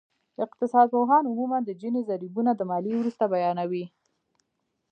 اقتصادپوهان عموماً د جیني ضریبونه د ماليې وروسته بیانوي